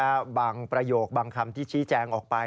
แล้วบางประโยคบางคำที่ชี้แจงออกไป